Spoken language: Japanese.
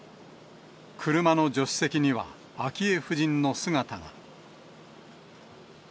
車の助手席には、昭恵夫人の姿が。